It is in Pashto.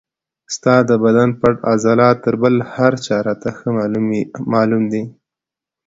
ستا د بدن پټ عضلات تر بل هر چا راته ښه معلوم دي.